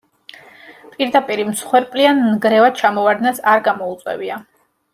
პირდაპირი მსხვერპლი ან ნგრევა ჩამოვარდნას არ გამოუწვევია.